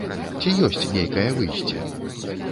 Ці ёсць нейкае выйсце?